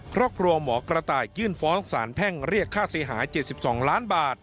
ครอบครัวหมอกระต่ายยื่นฟ้องสารแพ่งเรียกค่าเสียหาย๗๒ล้านบาท